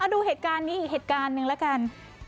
ดูเหตุการณ์นี้อีกเหตุการณ์หนึ่งแล้วกัน